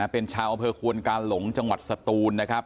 เป็นชาวอำเภอควนกาหลงจังหวัดสตูนนะครับ